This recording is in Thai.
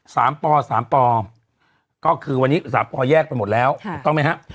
ปสามปอก็คือวันนี้สามปอแยกไปหมดแล้วค่ะถูกต้องไหมฮะ